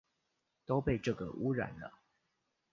都被這個污染了